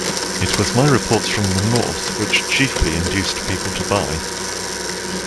It was my reports from the north which chiefly induced people to buy.